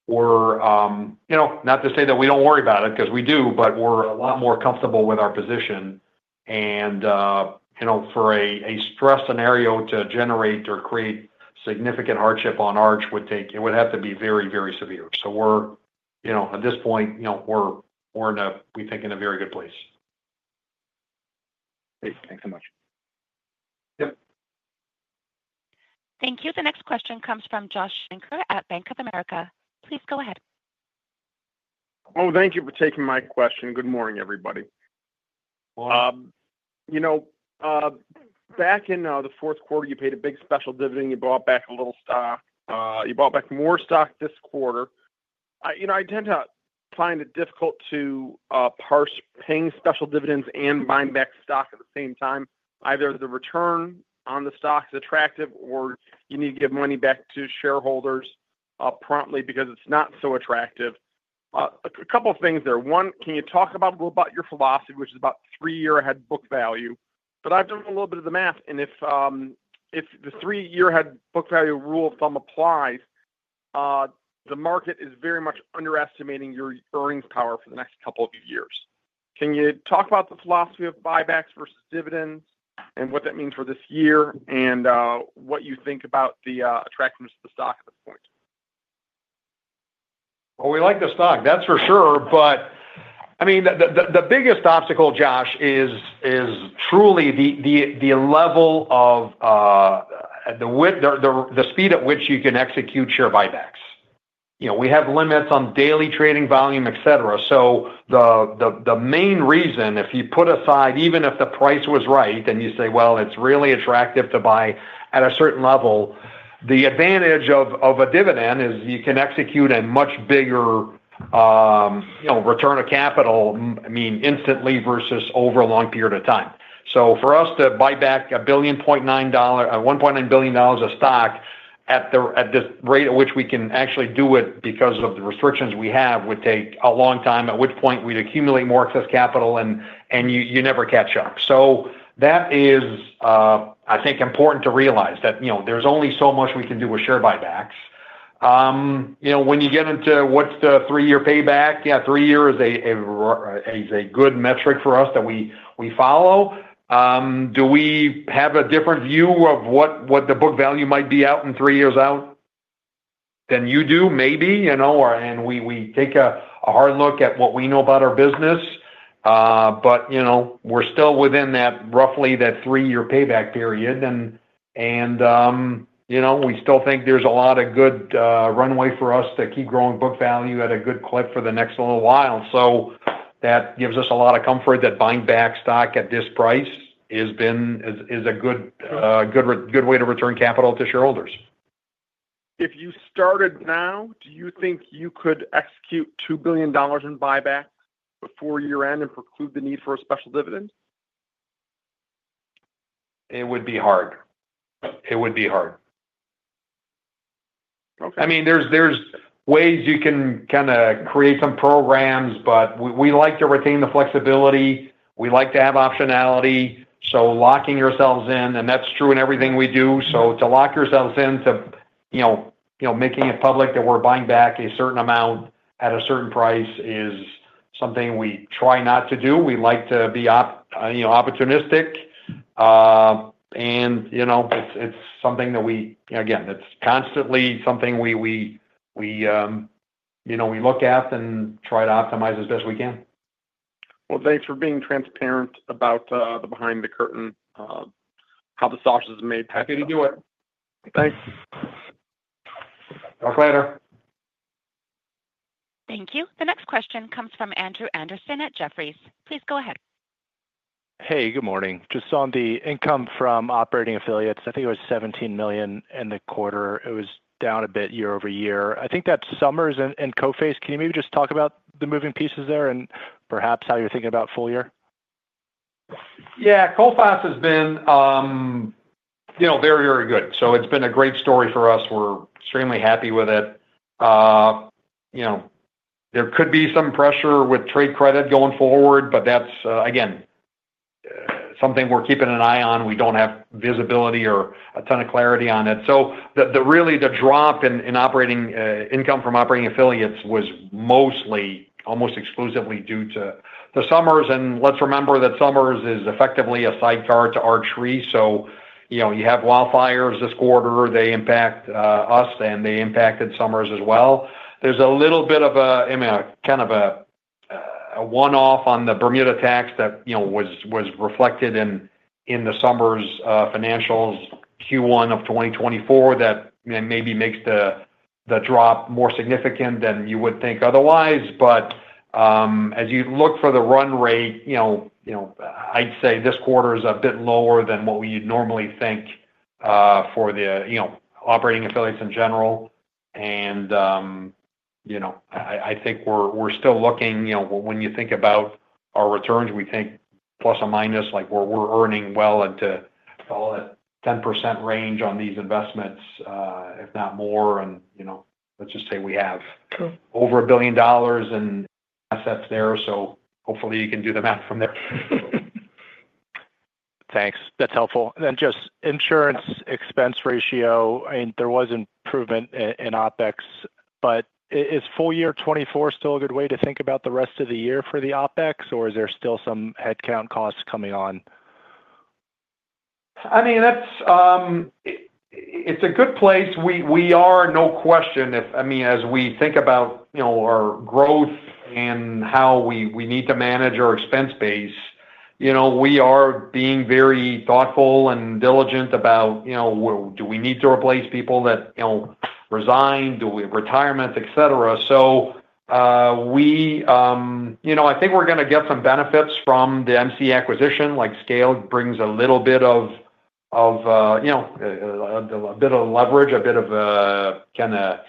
We are not to say that we do not worry about it because we do, but we are a lot more comfortable with our position. For a stress scenario to generate or create significant hardship on Arch, it would have to be very, very severe. At this point, we're in a, we think, in a very good place. Great. Thanks so much. Yep. Thank you. The next question comes from Josh Shanker at Bank of America. Please go ahead. Oh, thank you for taking my question. Good morning, everybody. Morning. Back in the fourth quarter, you paid a big special dividend. You bought back a little stock. You bought back more stock this quarter. I tend to find it difficult to parse paying special dividends and buying back stock at the same time. Either the return on the stock is attractive or you need to give money back to shareholders promptly because it's not so attractive. A couple of things there. One, can you talk a little about your philosophy, which is about three-year ahead book value? I've done a little bit of the math. If the three-year ahead book value rule of thumb applies, the market is very much underestimating your earnings power for the next couple of years. Can you talk about the philosophy of buybacks versus dividends and what that means for this year and what you think about the attractiveness of the stock at this point? We like the stock, that's for sure. I mean, the biggest obstacle, Josh, is truly the level of the speed at which you can execute share buybacks. We have limits on daily trading volume, etc. The main reason, if you put aside, even if the price was right and you say, "Well, it's really attractive to buy at a certain level," the advantage of a dividend is you can execute a much bigger return of capital, I mean, instantly versus over a long period of time. For us to buy back $1.9 billion of stock at this rate at which we can actually do it because of the restrictions we have would take a long time, at which point we'd accumulate more excess capital and you never catch up. That is, I think, important to realize that there's only so much we can do with share buybacks. When you get into what's the three-year payback, yeah, three-year is a good metric for us that we follow. Do we have a different view of what the book value might be out in three years out than you do? Maybe. We take a hard look at what we know about our business. We're still within that roughly that three-year payback period. We still think there's a lot of good runway for us to keep growing book value at a good clip for the next little while. That gives us a lot of comfort that buying back stock at this price is a good way to return capital to shareholders. If you started now, do you think you could execute $2 billion in buyback before year-end and preclude the need for a special dividend? It would be hard. It would be hard. I mean, there are ways you can kind of create some programs, but we like to retain the flexibility. We like to have optionality. Locking yourselves in, and that is true in everything we do. To lock yourselves into making it public that we are buying back a certain amount at a certain price is something we try not to do. We like to be opportunistic. It is something that we, again, it is constantly something we look at and try to optimize as best we can. Thanks for being transparent about the behind-the-curtain, how the sauces are made. Happy to do it. Thanks. Talk later. Thank you. The next question comes from Andrew Andersen at Jefferies. Please go ahead. Hey, good morning. Just on the income from operating affiliates, I think it was $17 million in the quarter. It was down a bit year over year. I think that Somers and Coface, can you maybe just talk about the moving pieces there and perhaps how you're thinking about full year? Yeah. Coface has been very, very good. So it's been a great story for us. We're extremely happy with it. There could be some pressure with trade credit going forward, but that's, again, something we're keeping an eye on. We don't have visibility or a ton of clarity on it. So really, the drop in operating income from operating affiliates was mostly, almost exclusively due to the Somers. And let's remember that Somers is effectively a sidecar to Arch Re. You have wildfires this quarter. They impact us, and they impacted Somers as well. There's a little bit of a kind of a one-off on the Bermuda tax that was reflected in the Somers' financials Q1 of 2024 that maybe makes the drop more significant than you would think otherwise. As you look for the run rate, I'd say this quarter is a bit lower than what we normally think for the operating affiliates in general. I think we're still looking, when you think about our returns, we think plus or minus where we're earning well into a 10% range on these investments, if not more. Let's just say we have over $1 billion in assets there. Hopefully, you can do the math from there. Thanks. That's helpful. I mean, just insurance expense ratio, there was improvement in OpEx, but is full year 2024 still a good way to think about the rest of the year for the OpEx, or is there still some headcount costs coming on? I mean, it's a good place. We are, no question. I mean, as we think about our growth and how we need to manage our expense base, we are being very thoughtful and diligent about, do we need to replace people that resigned? Do we have retirement, etc.? I think we're going to get some benefits from the MC acquisition. Scale brings a little bit of leverage, a bit of a kind of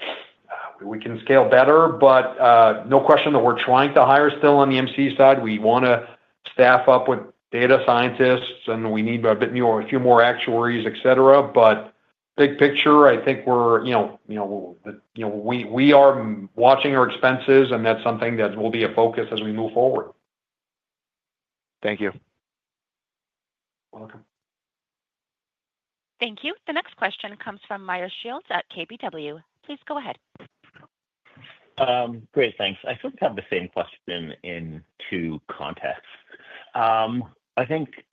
we can scale better. No question that we're trying to hire still on the MC side. We want to staff up with data scientists, and we need a bit more, a few more actuaries, etc. Big picture, I think we are watching our expenses, and that's something that will be a focus as we move forward. Thank you. You're welcome. Thank you. The next question comes from Meyer Shields at KBW. Please go ahead. Great. Thanks. I sort of have the same question in two contexts. I think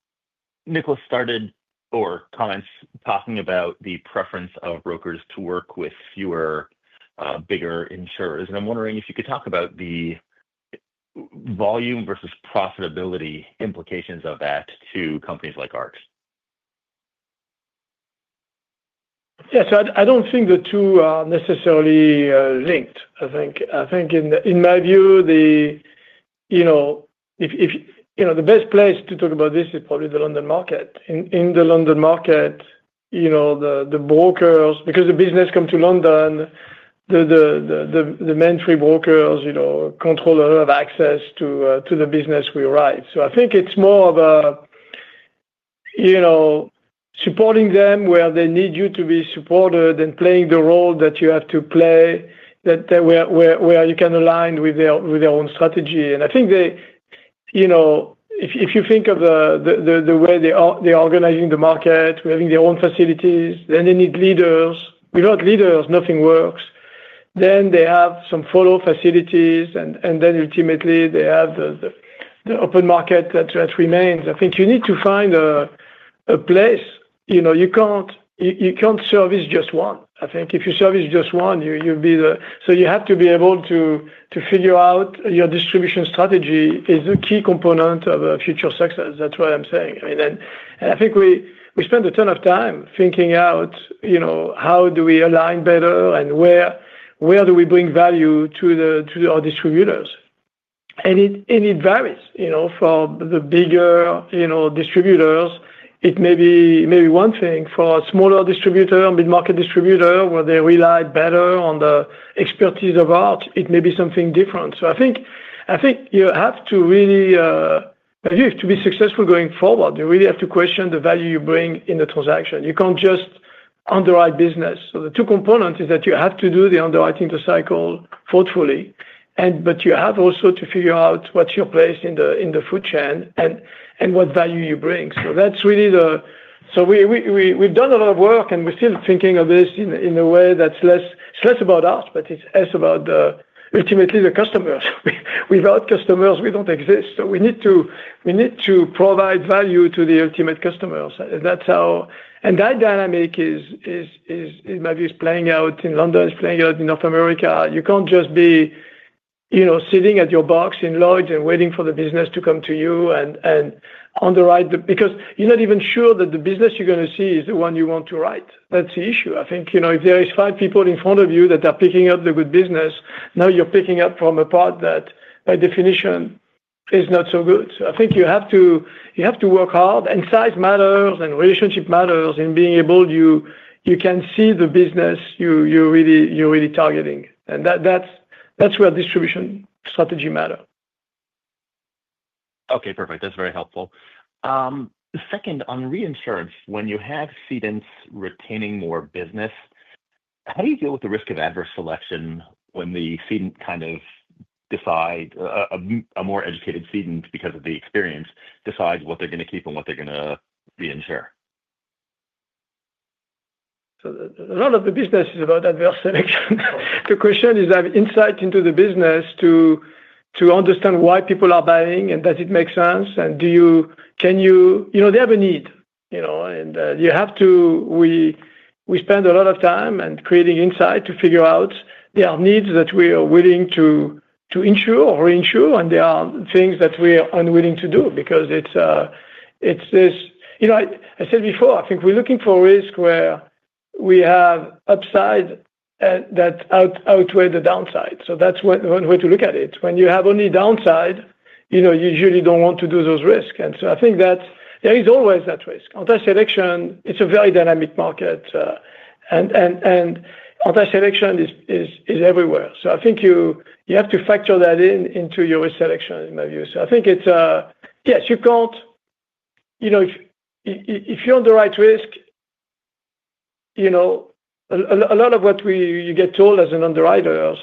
Nicolas started or comments talking about the preference of brokers to work with fewer bigger insurers. I am wondering if you could talk about the volume versus profitability implications of that to companies like Arch. Yeah. I do not think the two are necessarily linked. I think, in my view, the best place to talk about this is probably the London market. In the London market, the brokers, because the business comes to London, the main three brokers control a lot of access to the business we write. I think it is more of supporting them where they need you to be supported and playing the role that you have to play where you can align with their own strategy. I think if you think of the way they are organizing the market, we are having their own facilities, then they need leaders. Without leaders, nothing works. They have some follow facilities, and ultimately, they have the open market that remains. I think you need to find a place. You cannot service just one. I think if you service just one, you'll be the, so you have to be able to figure out your distribution strategy is a key component of future success. That's what I'm saying. I think we spend a ton of time thinking out how do we align better and where do we bring value to our distributors. It varies. For the bigger distributors, it may be one thing. For a smaller distributor, a mid-market distributor, where they rely better on the expertise of Arch, it may be something different. I think you have to really, if you have to be successful going forward, you really have to question the value you bring in the transaction. You can't just underwrite business. The two components is that you have to do the underwriting to cycle thoughtfully. You have also to figure out what's your place in the food chain and what value you bring. That's really the so we've done a lot of work, and we're still thinking of this in a way that's less about Arch, but it's less about ultimately the customers. Without customers, we don't exist. We need to provide value to the ultimate customers. That dynamic, in my view, is playing out in London, is playing out in North America. You can't just be sitting at your box in Lloyd's and waiting for the business to come to you and underwrite because you're not even sure that the business you're going to see is the one you want to write. That's the issue. I think if there are five people in front of you that are picking up the good business, now you're picking up from a part that by definition is not so good. I think you have to work hard. Size matters and relationship matters in being able you can see the business you're really targeting. That's where distribution strategy matters. Okay. Perfect. That's very helpful. Second, on reinsurance, when you have cedents retaining more business, how do you deal with the risk of adverse selection when the cedent kind of decides a more educated cedent because of the experience decides what they're going to keep and what they're going to reinsure? A lot of the business is about adverse selection. The question is, do I have insight into the business to understand why people are buying and does it make sense? Can they have a need? We spend a lot of time creating insight to figure out there are needs that we are willing to insure or reinsure, and there are things that we are unwilling to do because, as I said before, I think we're looking for risk where we have upside that outweighs the downside. That is one way to look at it. When you have only downside, you usually do not want to do those risks. I think that there is always that risk. Adverse selection, it is a very dynamic market. Adverse selection is everywhere. I think you have to factor that into your risk selection, in my view. I think it's yes, you can't if you underwrite risk, a lot of what you get told as an underwriter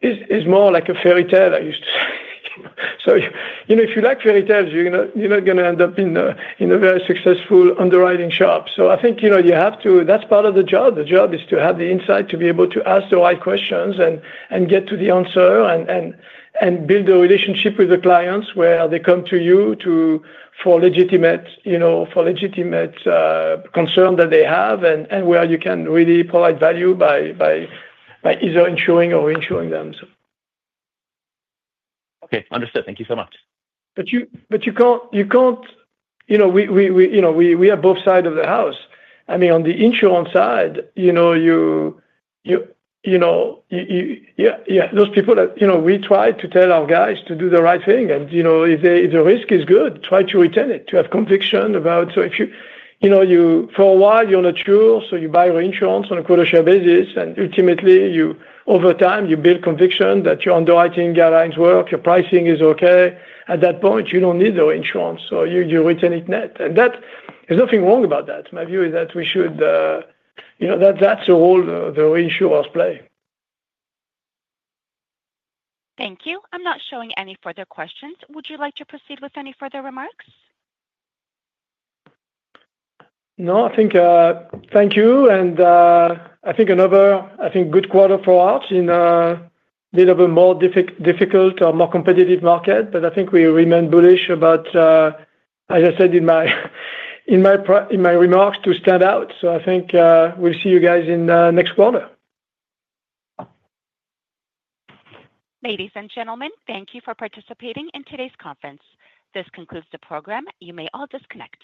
is more like a fairy tale I used to say. If you like fairy tales, you're not going to end up in a very successful underwriting shop. I think you have to that's part of the job. The job is to have the insight to be able to ask the right questions and get to the answer and build a relationship with the clients where they come to you for legitimate concern that they have and where you can really provide value by either insuring or reinsuring them. Okay. Understood. Thank you so much. You can't have both sides of the house. I mean, on the insurance side, yeah, those people that we try to tell our guys to do the right thing. If the risk is good, try to retain it, to have conviction about. If for a while, you're not sure, you buy reinsurance on a quota-share basis. Ultimately, over time, you build conviction that your underwriting guidelines work, your pricing is okay. At that point, you don't need the reinsurance. You retain it net. There's nothing wrong about that. My view is that we should, that's the role the reinsurers play. Thank you. I'm not showing any further questions. Would you like to proceed with any further remarks? No, I think thank you. I think another, I think, good quarter for Arch in a bit of a more difficult or more competitive market. I think we remain bullish about, as I said in my remarks, to stand out. I think we'll see you guys in the next quarter. Ladies and gentlemen, thank you for participating in today's conference. This concludes the program. You may all disconnect.